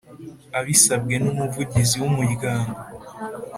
Abisabwe n Umuvugizi w Umuryango